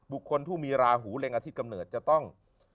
บุคคลที่มีราหูเร็งอาทิตย์กำเนิดจะต้อง